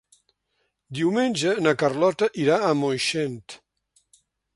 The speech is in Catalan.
Diumenge na Carlota irà a Moixent.